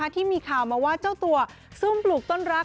ที่มีข่าวมาว่าเจ้าตัวซุ่มปลูกต้นรัก